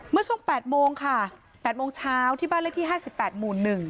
เมื่อช่วง๘โมงค่ะ๘โมงเช้าที่บ้านเลขที่๕๘หมู่๑